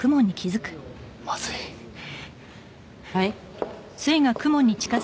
まずいはい？